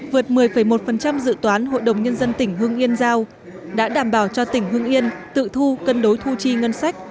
vượt một mươi một dự toán hội đồng nhân dân tỉnh hưng yên giao đã đảm bảo cho tỉnh hưng yên tự thu cân đối thu chi ngân sách